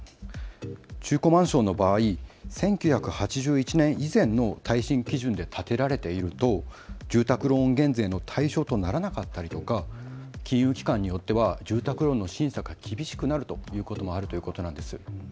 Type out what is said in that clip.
中古マンションの場合１９８１年以前の耐震基準で建てられていると住宅ローン減税の対象とならなかったりとか金融機関によっては住宅ローンの審査が厳しくなるということもあるということなんです。